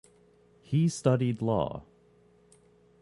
He studied law.